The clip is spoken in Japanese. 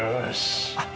あっ。